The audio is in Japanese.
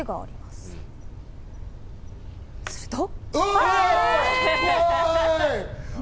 すると。